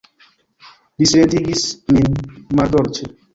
Li silentigis min maldolĉe.